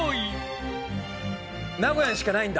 名古屋にしかないんだ。